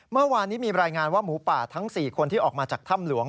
เมื่อวานนี้มีรายงานว่าหมูป่าทั้ง๔คนที่ออกมาจากถ้ำหลวง